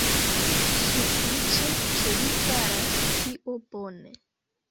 Sufiĉe ke li faras tio bone.